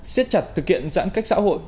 xét chặt thực hiện giãn cách xã hội